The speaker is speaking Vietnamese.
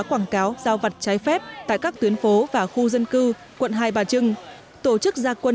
quảng cáo giao vặt trái phép tại các tuyến phố và khu dân cư quận hai bà trưng tổ chức gia quân